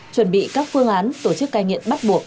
chuẩn bị các phương án tổ chức cai nghiện bắt buộc